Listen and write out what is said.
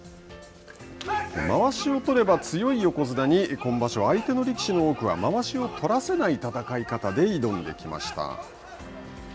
まわしをとれば強い横綱に今場所、相手の力士の多くはまわしをとらせない戦い方で挑んできました。